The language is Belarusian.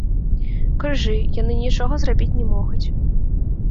Крыжы, яны нічога зрабіць не могуць.